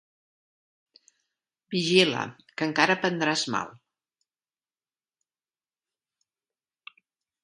Vigila, que encara prendràs mal.